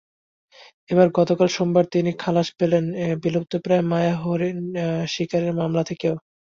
এবার গতকাল সোমবার তিনি খালাস পেলেন বিলুপ্তপ্রায় মায়া হরিণ শিকারের মামলা থেকেও।